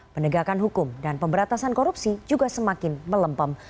penegakan hukum dan pemberatasan korupsi juga semakin melempam